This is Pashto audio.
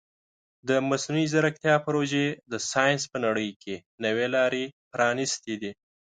د مصنوعي ځیرکتیا پروژې د ساینس په نړۍ کې نوې لارې پرانیستې دي.